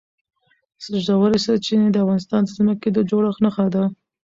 ژورې سرچینې د افغانستان د ځمکې د جوړښت نښه ده.